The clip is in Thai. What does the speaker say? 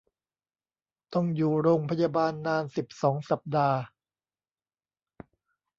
ต้องอยู่โรงพยาบาลนาน สิบสอง สัปดาห์